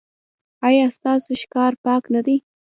ایا ستاسو ښار پاک نه دی؟